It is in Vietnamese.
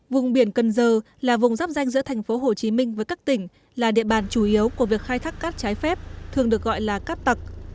vùng biển cần giờ là vùng rắp danh giữa thành phố hồ chí minh với các tỉnh là địa bàn chủ yếu của việc khai thác cát trái phép thường được gọi là cát tặc